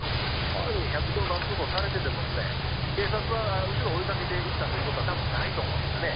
すぐに１１０番通報されても警察は、後ろを追いかけていったということはないと思うんですね。